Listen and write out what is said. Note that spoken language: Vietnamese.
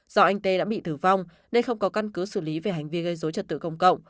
do anh t đã bị thử vong nên không có căn cứ xử lý về hành vi gây dối trật tự công cộng